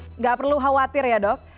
tidak perlu khawatir ya dok